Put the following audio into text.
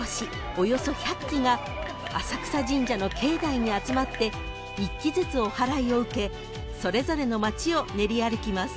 およそ１００基が浅草神社の境内に集まって一基ずつおはらいを受けそれぞれの町を練り歩きます］